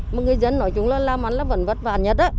mọi người dân nói chúng là làm ăn là vẫn vất vả nhất đó